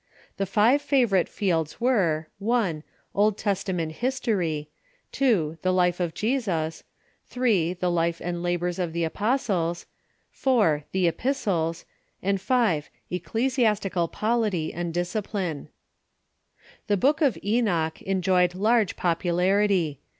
The five favorite fields were : 1. ©Id Testament history ; 2. The life of Jesus ; 3. The life and labors of the apostles ; 4. The Epistles ; and 5. Ecclesiastical polity and discipline. The Bonk of Enoch enjoyed large popularity.